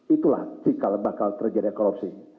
itulah cikal bakal terjadi korupsi